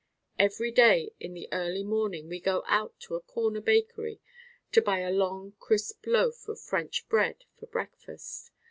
Every day in the early morning we go out to a corner bakery to buy a long crisp loaf of French bread for breakfast.